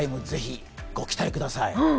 ぜひご期待ください。